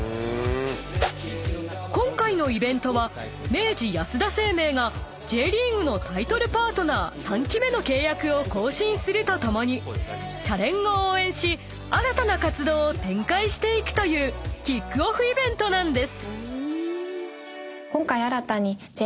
［今回のイベントは明治安田生命がＪリーグのタイトルパートナー３期目の契約を更新するとともにシャレン！を応援し新たな活動を展開していくというキックオフイベントなんです］